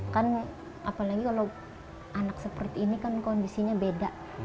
kan apalagi kalau anak seperti ini kan kondisinya beda